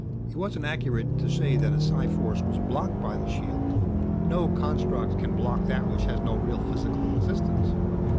It wasn't accurate to say that a psi force was blocked by the shield; no construct can block that which has no real physical existence.